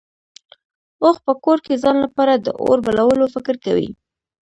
اوښ په کور کې ځان لپاره د اور بلولو فکر کوي.